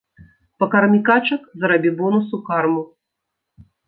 Пакармі качак, зарабі бонус у карму!